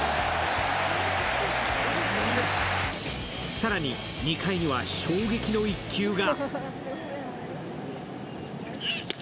更に、２回には衝撃の１球が。